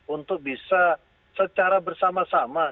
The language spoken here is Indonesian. untuk bisa secara bersama sama